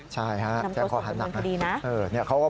ใช่ครับแจ้งข้อหาหนัก